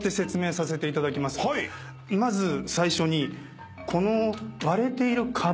まず最初に。